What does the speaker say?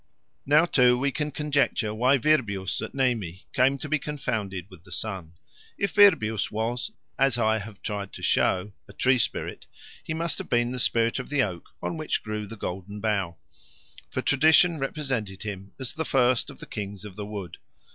Now, too, we can conjecture why Virbius at Nemi came to be confounded with the sun. If Virbius was, as I have tried to show, a tree spirit, he must have been the spirit of the oak on which grew the Golden Bough; for tradition represented him as the first of the Kings of the Wood.